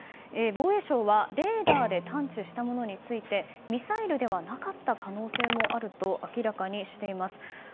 防衛省はレーダーで探知したものについてミサイルではなかった可能性もあると明らかにしています。